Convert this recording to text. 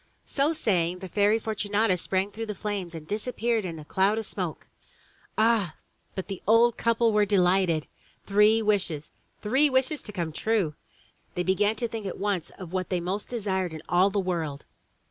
'' So saying, the Fairy Fortunata sprang through the flames and disappeared in a cloud of smoke. Ah! but the old couple were delighted. Three wishes! Three wishes to come true! They began to think at once of what they most desired in all the world.